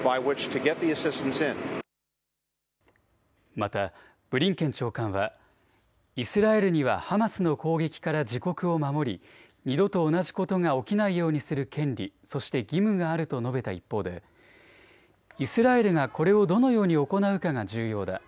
また、ブリンケン長官はイスラエルにはハマスの攻撃から自国を守り二度と同じことが起きないようにする権利、そして義務があると述べた一方でイスラエルがこれをどのように行うかが重要だ。